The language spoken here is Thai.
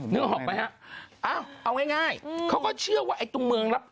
นึกออกมั้ยฮะเอ้าเอาง่ายเขาก็เชื่อว่าสุมเมืองลับ